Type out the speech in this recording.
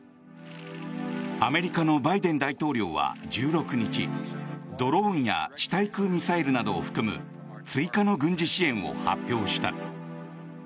アメリカのバイデン大統領は１６日ドローンや地対空ミサイルなどを含む追加の軍事支援を発表した。